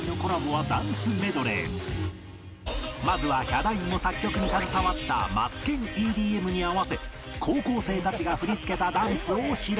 まずはヒャダインも作曲に携わった『マツケン ＥＤＭ』に合わせ高校生たちが振り付けたダンスを披露